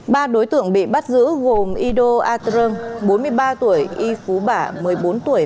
ba đối tượng bị bắt giữ gồm ido atreung bốn mươi ba tuổi y phú bả một mươi bốn tuổi